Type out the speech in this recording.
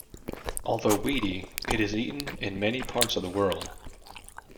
Although weedy, it is eaten in many parts of the world.